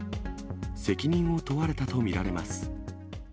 責任を問われたと見られます。